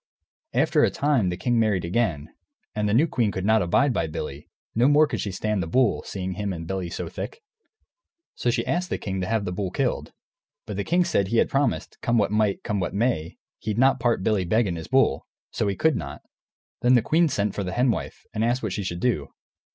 After a time, the king married again, and the new queen could not abide Billy; no more could she stand the bull, seeing him and Billy so thick. So she asked the king to have the bull killed. But the king said he had promised, come what might, come what may, he'd not part Billy Beg and his bull, so he could not. Then the queen sent for the Hen Wife, and asked what she should do.